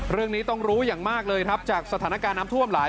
เรื่องนี้ต้องรู้อย่างมากเลยครับจากสถานการณ์น้ำท่วมหลาย